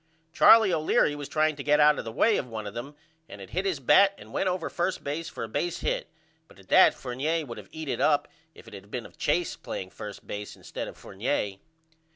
Charlie O'Leary was trying to get out of the way of one of them and it hit his bat and went over first base for a base hit but at that Fournier would of eat it up if it had of been Chase playing first base instead of Fournier.